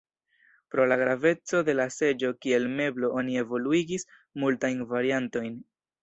Pro la graveco de la seĝo kiel meblo oni evoluigis multajn variantojn.